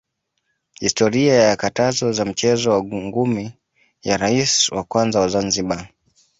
historia ya katazo za mchezo wa ngumi ya raisi wa kwanza wa Zanzibar